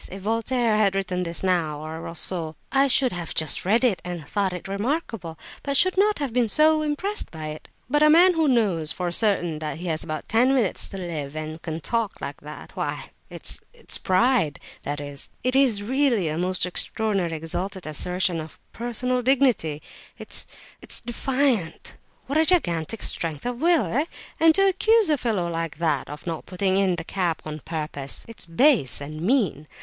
If Voltaire had written this now, or Rousseau, I should have just read it and thought it remarkable, but should not have been so impressed by it. But a man who knows for certain that he has but ten minutes to live and can talk like that—why—it's—it's pride, that is! It is really a most extraordinary, exalted assertion of personal dignity, it's—it's defiant! What a gigantic strength of will, eh? And to accuse a fellow like that of not putting in the cap on purpose; it's base and mean!